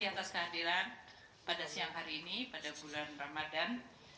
atas kehadiran pada siang hari ini pada bulan ramadan